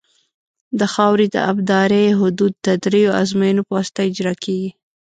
د خاورې د ابدارۍ حدود د دریو ازموینو په واسطه اجرا کیږي